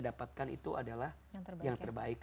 dapatkan itu adalah yang terbaik